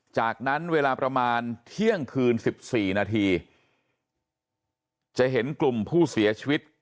จากนั้นเวลาประมาณเที่ยงคืน๑๔นาทีจะเห็นกลุ่มผู้เสียชีวิต